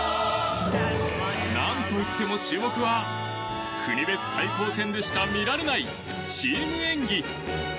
なんといっても注目は国別対抗戦でしか見られないチーム演技。